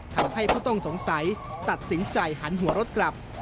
ทำให้ผู้ต้องสงสัยตัดสินใจหันหัวรถกลับ